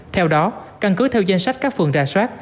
theo đó căn cứ theo danh sách các phường ra soát